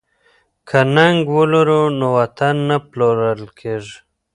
که ننګ ولرو نو وطن نه پلورل کیږي.